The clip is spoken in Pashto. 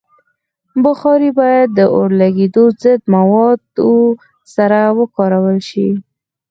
بخاري باید د اورلګیدو ضد موادو سره وکارول شي.